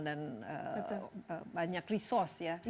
dan banyak resource ya